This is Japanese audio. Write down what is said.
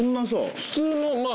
普通のまあ。